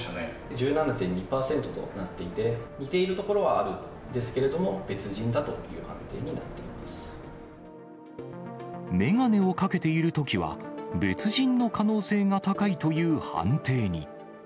１７．２％となっていて、似ているところはあるんですけれども、眼鏡をかけているときは、別人の可能性が高いという判定に。